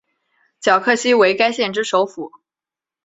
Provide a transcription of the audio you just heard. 皎克西为该县之首府。